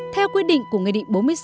theo quy định của ngày định bốn mươi sáu